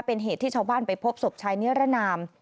เป็นเหตุที่ชาวบ้านไปพบศพชายนิรนาม